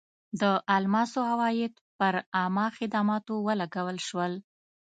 د الماسو عواید پر عامه خدماتو ولګول شول.